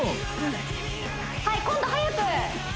はい今度速く！